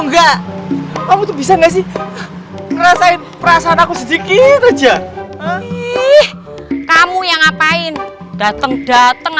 nggak kamu tuh bisa nggak sih rasain perasaan aku sedikit aja kamu yang ngapain dateng dateng